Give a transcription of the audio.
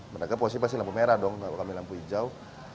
mereka posisi pasti lampu merah dong kami lampu hijau